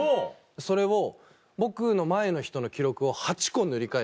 それを僕の前の人の記録を８個塗り替えて。